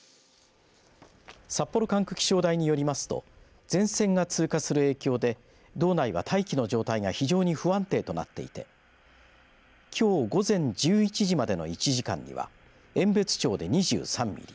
札幌管区気象台によりますと前線が通過する影響で道内は大気の状態が非常に不安定となっていてきょう午前１１時までの１時間には遠別町で２３ミリ